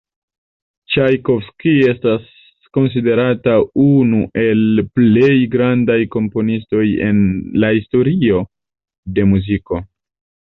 Ĉajkovskij estas konsiderata unu el plej grandaj komponistoj en la historio de muziko.